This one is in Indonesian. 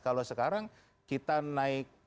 kalau sekarang kita naik